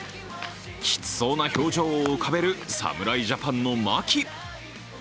きつそうな表情を浮かべる侍ジャパンの牧。